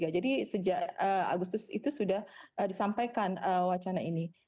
jadi sejak agustus itu sudah disampaikan wacana ini